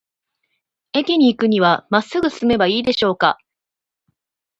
駅に行くには、まっすぐ進めばいいでしょうか。